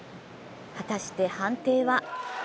果たして判定は？